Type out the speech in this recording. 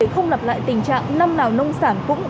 không lặp lại tình trạng năm nào nông sản cũng